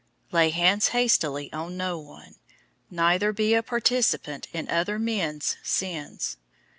005:022 Lay hands hastily on no one, neither be a participant in other men's sins.